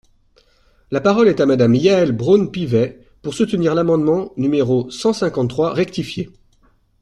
La parole est à Madame Yaël Braun-Pivet, pour soutenir l’amendement numéro cent cinquante-trois rectifié.